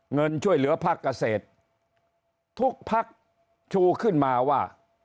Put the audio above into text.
เงินช่วยเหลือภาคเกษตรทุกพักชูขึ้นมาว่า